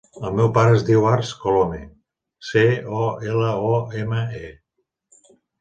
El meu pare es diu Arç Colome: ce, o, ela, o, ema, e.